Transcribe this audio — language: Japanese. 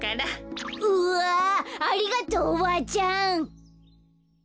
うわありがとうおばあちゃん。